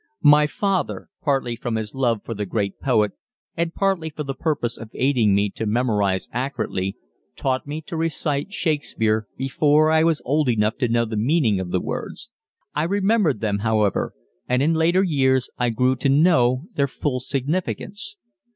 My father, partly from his love for the great poet, and partly for the purpose of aiding me to memorize accurately, taught me to recite Shakespeare before I was old enough to know the meaning of the words. I remembered them, however, and in later years I grew to know their full significance.